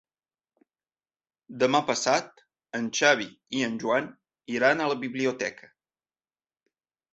Demà passat en Xavi i en Joan iran a la biblioteca.